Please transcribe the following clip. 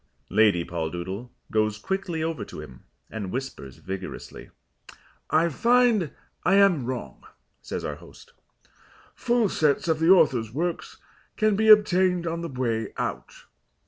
Lady Poldoodle goes quickly over to him and whispers vigorously. "I find I am wrong," says our host. "Full sets of the author's works can be obtained on the way out.